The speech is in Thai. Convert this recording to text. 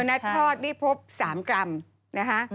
นัดทอดนี่พบ๓กรัมนะคะ